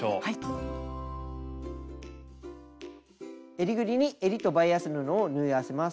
えりぐりにえりとバイアス布を縫い合わせます。